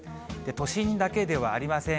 都心だけではありません。